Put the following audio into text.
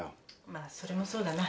まあそれもそうだな。